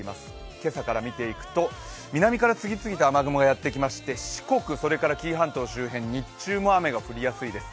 今朝から見ていくと南から次々と雨雲がやってきまして四国、紀伊半島周辺に日中も雨が降りやすいです。